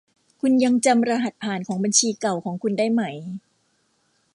คุณยังจำรหัสผ่านของบัญชีเก่าของคุณได้ไหม